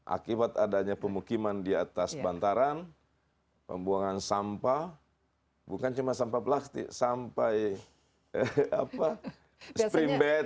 akibat adanya pemukiman di atas bantaran pembuangan sampah bukan cuma sampah plastik sampai spring bed